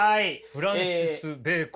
フランシス・ベーコン。